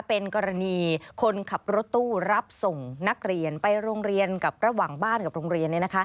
เป็นกรณีคนขับรถตู้รับส่งนักเรียนไปโรงเรียนกับระหว่างบ้านกับโรงเรียน